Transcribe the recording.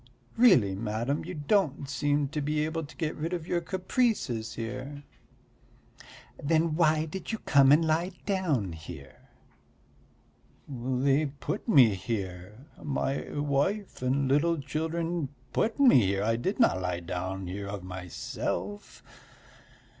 Really, madam, you don't seem able to get rid of your caprices here." "Then why did you come and lie down here?" "They put me here, my wife and little children put me here, I did not lie down here of myself.